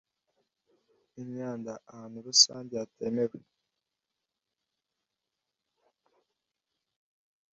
Imyanda ahantu rusange hatemewe